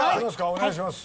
お願いします。